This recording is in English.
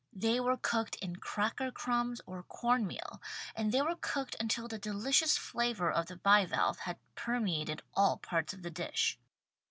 They were cooked in cracker crumbs or corn meal and they were cooked until the delicious flavor of the bivalve had permeated all parts of the dish.